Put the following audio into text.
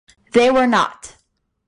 They were not.